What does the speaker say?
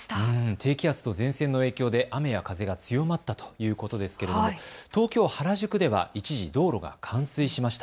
低気圧と前線の影響で雨や風が強まったということですが東京原宿では一時道路が冠水しました。